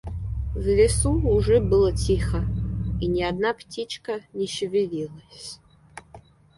В лесу уже было тихо, и ни одна птичка не шевелилась.